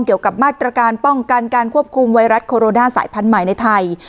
เกี่ยวกับมาตรการป้องกันการควบคุมไวรัสโคโรนาสายพันธุ์ใหม่ในไทย